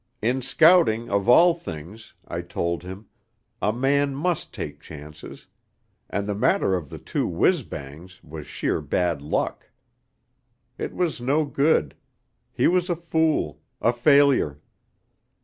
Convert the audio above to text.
In scouting, of all things, I told him, a man must take chances; and the matter of the two whizz bangs was sheer bad luck. It was no good; he was a fool a failure.